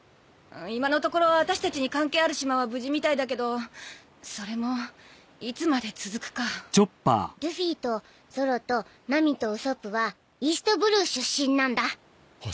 今のところ私たちに関係ある島は無事みたいだけどそれもいつまで続くかルフィとゾロとナミとウソップはイーストブルー出身なんだあ